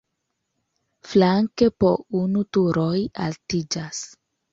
Flanke po unu turoj altiĝas.